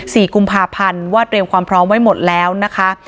สี่กุมภาพันธ์ว่าเตรียมความพร้อมไว้หมดแล้วนะคะ